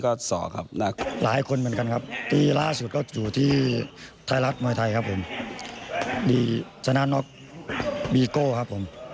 ตอนนี้ก็ชรอกครับ